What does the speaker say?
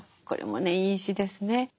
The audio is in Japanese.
これもねいい詩ですね。